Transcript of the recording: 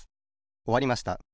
おわりました。